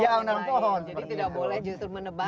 jadi tidak boleh justru menebak